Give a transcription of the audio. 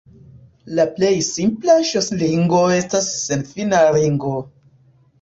La plej simpla ŝlosilingo estas senfina ringo.